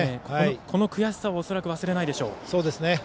この悔しさ恐らく忘れないでしょう。